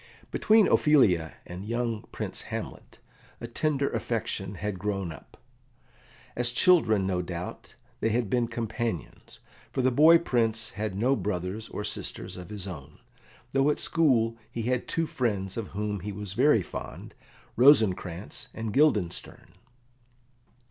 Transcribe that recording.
Between Ophelia and the young Prince Hamlet a tender affection had grown up. As children, no doubt, they had been companions, for the boy Prince had no brothers or sisters of his own, though at school he had two friends of whom he was very fond, Rosencrantz and Guildenstern.